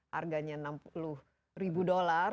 harganya enam puluh ribu dolar